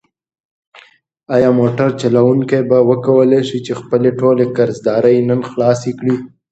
ایا موټر چلونکی به وکولی شي چې خپلې ټولې قرضدارۍ نن خلاصې کړي؟